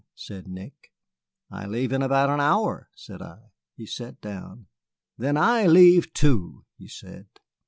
said Nick. "I leave in about an hour," said I. He sat down. "Then I leave too," he said.